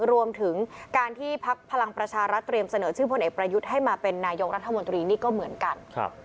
รวมถึงการที่พักพลังประชารัฐเตรียมเสนอชื่อพลเอกประยุทธ์ให้มาเป็นนายกรัฐมนตรีนี่ก็เหมือนกัน